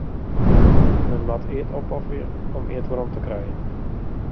Men moat eat opofferje om eat werom te krijen.